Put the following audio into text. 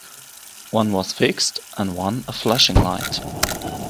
One was a fixed and one a flashing light.